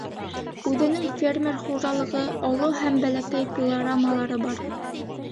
Үҙенең фермер хужалығы, оло һәм бәләкәй пилорамалары бар.